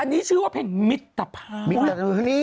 อันนี้ชื่อว่าเพลงมิตรภาพ